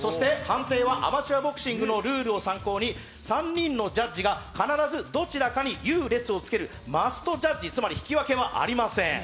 アマチュアボクシングのルールを参考に３人のジャッジが必ずどちらかに優劣をつける、マストジャッジ、つまり引き分けはありません。